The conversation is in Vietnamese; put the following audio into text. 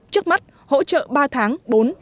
trước mắt hỗ trợ ba tháng bốn năm sáu